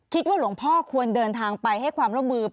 คิดว่าหลวงพ่อควรเดินทางไปให้ความร่วมมือ